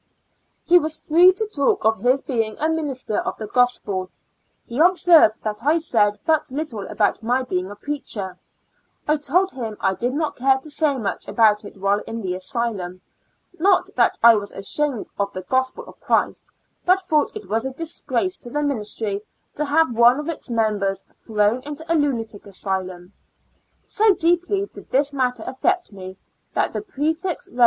He was free to talk of his being a minis ter of the Gospel; he observed that I said but little about my being a preacher; I told him I did not care to say much about it while in the asylum, not that I was ashamed of the Gospel of Christ, but thought it was a disgrace to the ministry to have one of its members thrown into a lunatic asylum. So deeply did this matter afiect me that the prefix Kev.